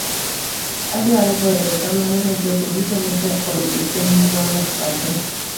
adwaro goyo erokamano ne jogo duto mosekonyo e chenrono chakre